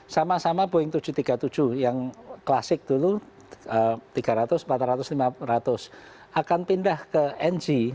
sama sama boeing tujuh ratus tiga puluh tujuh yang klasik dulu tiga ratus empat ratus lima ratus akan pindah ke ng